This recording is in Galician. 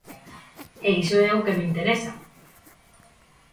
E iso é o que me interesa.